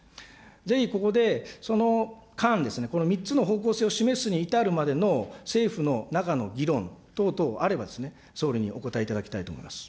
ぜひここで、その間、この３つの方向性を示すに至るまでの政府の中の議論等々あれば、総理にお答えいただきたいと思います。